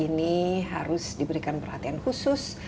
ini harus diberikan perhatian khusus